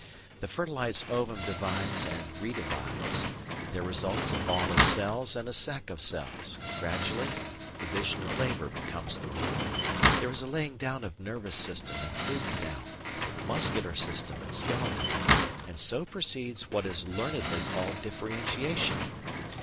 The fertilised ovum divides and redivides; there results a ball of cells and a sack of cells; gradually division of labour becomes the rule; there is a laying down of nervous system and food canal, muscular system and skeleton, and so proceeds what is learnedly called differentiation.